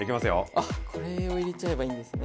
あっこれを入れちゃえばいいんですね